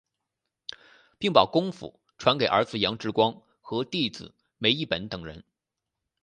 并把功夫传给儿子杨志光和弟子梅益本等人。